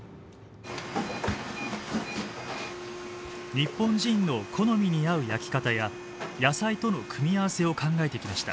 日本人の好みに合う焼き方や野菜との組み合わせを考えてきました。